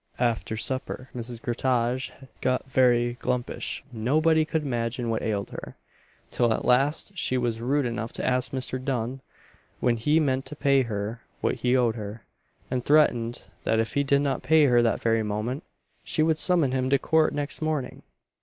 After supper, Mrs. Groutage "got very glumpish;" and nobody could imagine what ailed her, till at last she was rude enough to ask Mr. Dunn when he meant to pay her what he owed her; and threatened that if he did not pay her that very moment, she would summon him to Court next morning.